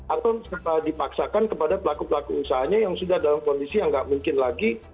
atau dipaksakan kepada pelaku pelaku usahanya yang sudah dalam kondisi yang nggak mungkin lagi